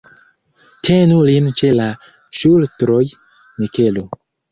Tenu lin ĉe la ŝultroj, Mikelo.